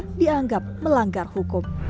ketika dianggap melanggar hukum